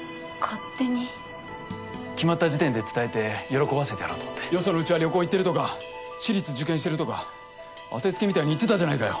決まった時点で伝えて喜ばせてやろうと思よそのうちは旅行行ってるとか私立受験してるとか当てつけみたいに言ってたじゃないかよ。